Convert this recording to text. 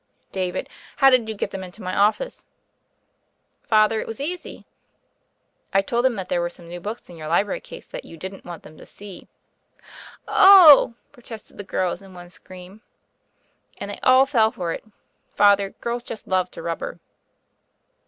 "David, how did you get them into my of fice?" "Father, it was easy. I told them there were some new books in your library case that you didn't want them to see." "Ohl" protested the girls in one scream. "And they all fell for it: Father, girls just love to rubber."